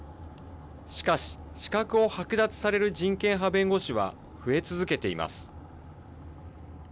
しかし、資格を剥奪される人権派弁護士は増え続けています。